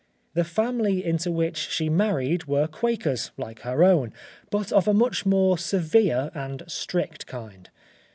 The family into which she married were Quakers, like her own, but of a much more severe and strict kind.